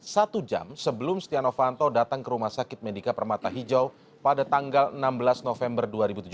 satu jam sebelum stiano fanto datang ke rumah sakit medika permata hijau pada tanggal enam belas november dua ribu tujuh belas